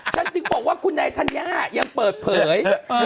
ฉันถึงบอกว่าคุณนายธัญญายังเปิดเผย